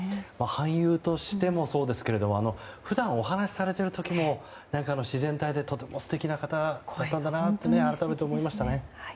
俳優としてもそうですけど普段、お話しされてる時も自然体でとても素敵な方だなと改めて思いましたね。